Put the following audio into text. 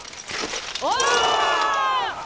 お！